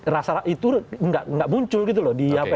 rasa itu gak muncul gitu lho di hp